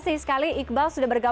yang sedang dikepahaneai ip pria